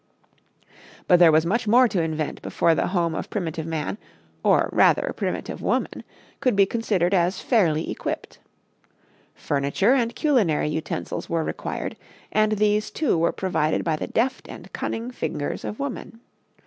But there was much more to invent before the home of primitive man, or rather primitive woman, could be considered as fairly equipped. Furniture and culinary utensils were required, and these, too, were provided by the deft and cunning fingers of woman.